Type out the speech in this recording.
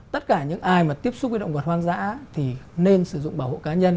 tất cả những ai mà tiếp xúc với động vật hoang dã thì nên sử dụng bảo hộ cá nhân